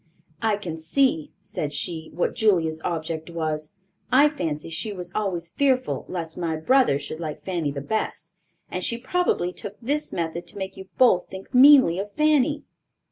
"I can see," said she, "what Julia's object was. I fancy she was always fearful lest my brother should like Fanny the best; and she probably took this method to make you both think meanly of Fanny."